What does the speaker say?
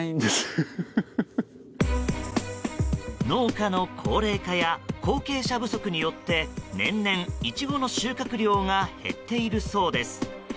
農家の高齢化や後継者不足によって年々、イチゴの収穫量が減っているそうです。